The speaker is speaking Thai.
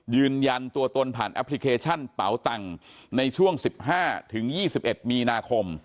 ยืนยันตัวตนผ่านแอปพลิเคชันเป๋าตังค์ในช่วง๑๕๒๑มีนาคม